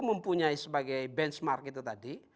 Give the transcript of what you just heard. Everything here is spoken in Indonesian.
mempunyai sebagai benchmark itu tadi